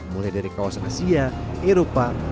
mulai dari kawasan asia eropa